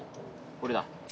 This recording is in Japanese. これだ。